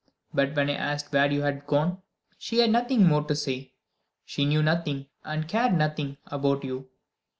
But when I asked where you had gone she had nothing more to say. She knew nothing, and cared nothing, about you.